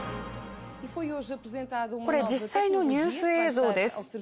これ実際のニュース映像です。